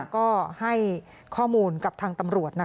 ก็ให้ข้อมูลกับทางตำรวจ